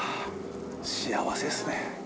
幸せっすね。